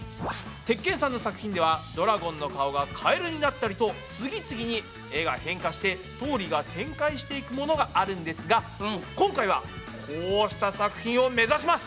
鉄拳さんの作品ではドラゴンの顔がカエルになったりと次々に絵が変化してストーリーが展開していくものがあるんですが今回はこうした作品を目指します。